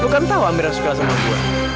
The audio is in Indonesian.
lo kan tahu amira suka sama gue